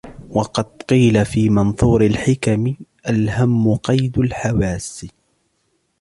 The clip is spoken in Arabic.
وَقَدْ قِيلَ فِي مَنْثُورِ الْحِكَمِ الْهَمُّ قَيْدُ الْحَوَاسِّ